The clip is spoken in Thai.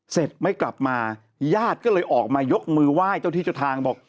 ไม่กลับมาญาติก็เลยออกมายกมือไหว้เจ้าที่เจ้าทางบอก